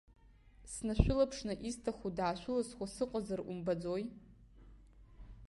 Снашәылаԥшны исҭаху даашәылысхуа сыҟазар умбаӡои?